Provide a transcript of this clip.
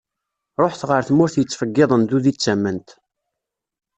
Ṛuḥet ɣer tmurt yettfeggiḍen d udi d tament.